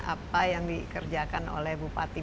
apa yang dikerjakan oleh bupati